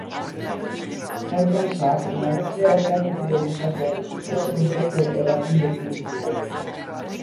Enpresak laguntzea eskatu dio gizarteari, ez hainbeste erakunde publikoei.